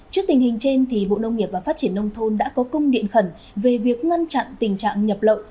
trước tình hình trên bộ nông nghiệp và phát triển nông thôn đã có công điện khẩn về việc ngăn chặn tình trạng nhập lậu